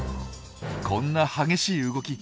こんな激しい動き